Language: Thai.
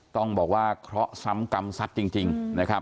ต้องบอกว่าเคราะห์ซ้ำกรรมสัตว์จริงนะครับ